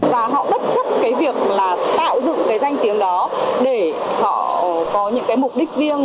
và họ bất chấp cái việc là tạo dựng cái danh tiếng đó để họ có những cái mục đích riêng